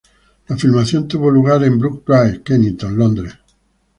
La filmación tuvo lugar en Brook Drive, Kennington, Londres.